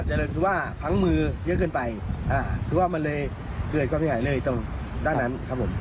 เจริญคือว่าพังมือเยอะเกินไปอ่าคือว่ามันเลยเกิดความเสียหายเลยตรงด้านนั้นครับผม